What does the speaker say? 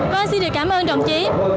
vâng xin được cảm ơn đồng chí